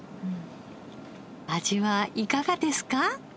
味はいかがですか？